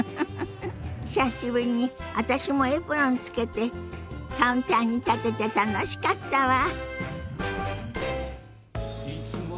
久しぶりに私もエプロンつけてカウンターに立てて楽しかったわ。